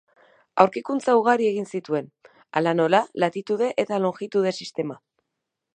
Aurkikuntza ugari egin zituen, hala nola, latitude eta longitude sistema.